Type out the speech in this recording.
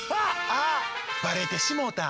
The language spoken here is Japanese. あっバレてしもうた。